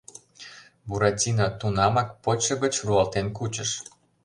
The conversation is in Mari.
Буратино тунамак почшо гыч руалтен кучыш.